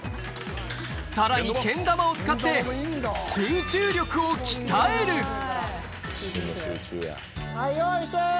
さらにけん玉を使ってを鍛えるはい用意して！